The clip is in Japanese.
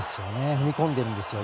踏み込んでいるんですよ。